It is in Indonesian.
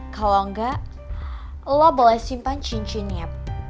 kalau enggak lo boleh simpan cincinnya